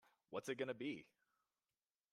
What's It Gonna Be?!